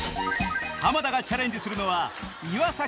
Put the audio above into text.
浜田がチャレンジするのは